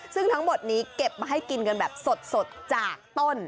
ซึ่งทั้งหมดนี้เก็บมาให้กินกันแบบสดจากต้น